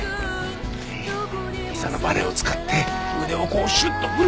ひざのバネを使って腕をこうシュッと振る！